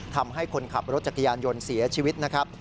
ทำให้คนขับรถจักรยานยนต์เสียชีวิตนะครับ